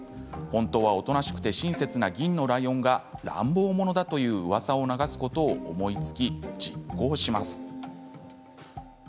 本当は、おとなしくて親切な銀のライオンが乱暴者だといううわさを流すことを思いつき実行します。